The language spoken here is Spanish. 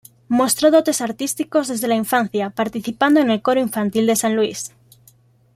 Mostró dotes artísticos desde la infancia, participando en el coro infantil de San Luis.